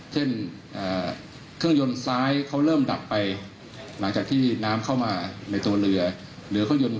เช่นเครื่องยนต์ซ้ายเขาเริ่มดับไปหลังจากที่น้ำเข้ามาในตัวเรือ